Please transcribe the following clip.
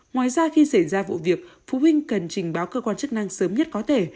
ngoài ra khi xảy ra vụ việc phụ huynh cần trình báo cơ quan chức năng sớm nhất có thể